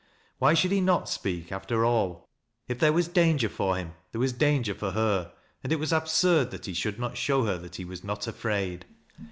"Why should he not speak, after all ? If there was danger for him there was danger for her^ and it was absurd that he should not show her that he was not afraid.